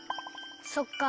そっか。